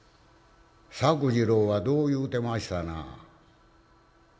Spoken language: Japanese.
作治郎はどう言うてましたなあ？」。